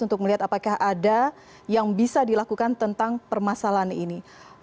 untuk melihat apakah ada yang bisa dilakukan tentang permasalahan ini